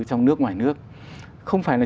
trong nước ngoài nước không phải là